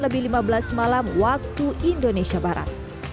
lebih lima belas malam waktu indonesia barat